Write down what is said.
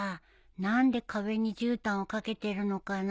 何で壁にじゅうたんを掛けてるのかな？